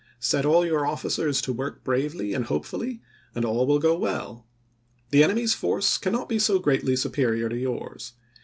.. Set all your officers to work bravely and hopefully and all will go well. .. The enemy's force cannot be so greatly superior to yours.